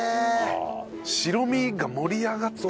白身が盛り上がってるな。